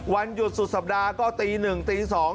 วันหยุดสุดสัปดาห์ก็ตีหนึ่งตีสอง